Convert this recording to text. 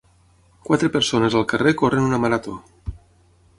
quatre persones al carrer corren una marató.